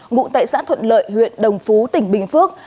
ngụ tại xã thuận lợi huyện đồng phú tỉnh bình phước